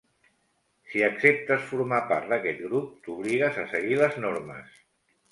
Si acceptes formar part d'aquest grup, t'obligues a seguir les normes.